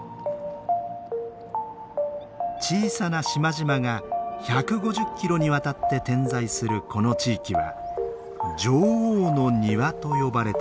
小さな島々が１５０キロにわたって点在するこの地域は「女王の庭」と呼ばれています。